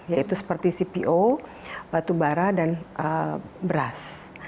yaitu seperti cpo batu bara dan beras